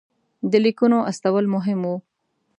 د لیکونو استول مهم وو.